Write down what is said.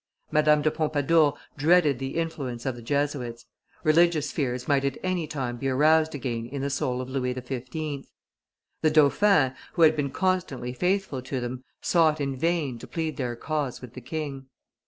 Madame de Pompadour dreaded the influence of the Jesuits; religious fears might at any time be aroused again in the soul of Louis XV. The dauphin, who had been constantly faithful to them, sought in vain to plead their cause with the king.